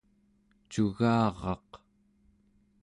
cugaraq